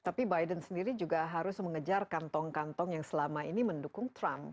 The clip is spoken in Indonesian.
tapi biden sendiri juga harus mengejar kantong kantong yang selama ini mendukung trump